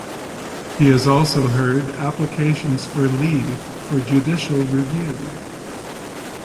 He has also heard applications for leave for judicial review.